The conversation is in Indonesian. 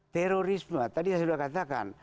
terorisme tadi saya sudah katakan